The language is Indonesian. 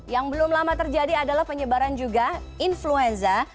yang belum lama terjadi adalah penyebaran juga influenza